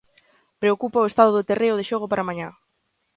Preocupa o estado do terreo de xogo para mañá.